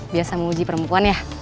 biasa mau uji perempuan ya